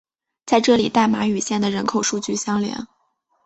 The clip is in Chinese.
在这里代码与县的人口数据相连。